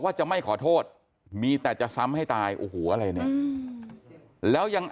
จะไม่ขอโทษมีแต่จะซ้ำให้ตายโอ้โหอะไรเนี่ยแล้วยัง